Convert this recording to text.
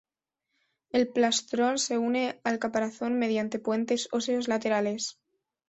El plastrón se une al caparazón mediante puentes óseos laterales.